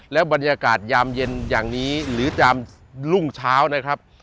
และบรรยากาศยามเย็นอย่างนี้หรือรุ่งเช้า